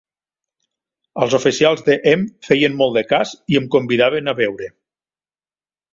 Els oficials de em feien molt de cas i em convidaven a beure.